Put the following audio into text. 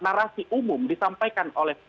narasi umum disampaikan oleh